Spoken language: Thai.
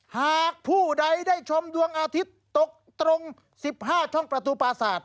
หากผู้ใดได้ชมดวงอาทิตย์ตกตรง๑๕ช่องประตูปราศาสต